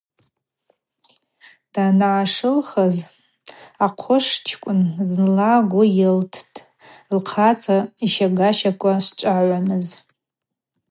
Дъанашылхыз акъвышчкӏвын зынла гвы гӏайылттӏ лхъацӏа йщагащаква шчӏвагӏвамыз.